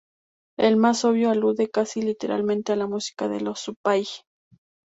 El más obvio alude, casi literalmente, a la música de los Zupay.